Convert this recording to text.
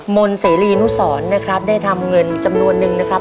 นเสรีนุสรนะครับได้ทำเงินจำนวนนึงนะครับ